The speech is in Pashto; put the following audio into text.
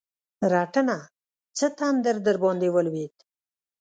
رټنه؛ څه تندر درباندې ولوېد؟!